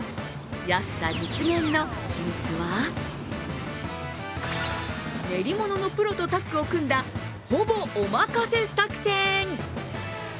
安さ実現の秘密は練り物のプロとタッグを組んだほぼお任せ作戦。